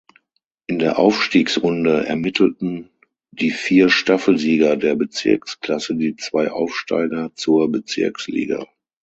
In der Aufstiegsrunde ermittelten die vier Staffelsieger der Bezirksklasse die zwei Aufsteiger zur Bezirksliga.